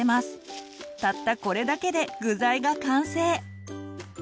たったこれだけで具材が完成。